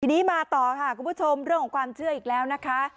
ทีนี้มาต่อค่ะคุณผู้ชมเรื่องของความเชื่ออีกแล้วนะคะ